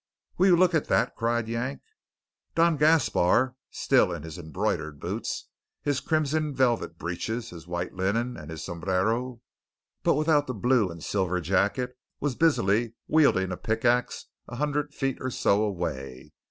"Will you look at that!" cried Yank. Don Gaspar, still in his embroidered boots, his crimson velvet breeches, his white linen, and his sombrero, but without the blue and silver jacket, was busily wielding a pickaxe a hundred feet or so away.